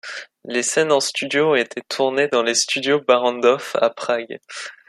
Les scènes en studio ont été tournées dans les studios Barrandov à Prague.